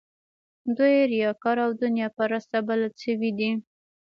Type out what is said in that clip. دوی ریاکار او دنیا پرسته بلل شوي دي.